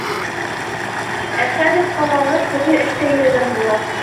Ә хәҙер ҡалала төрлө эштә йөрөгән була.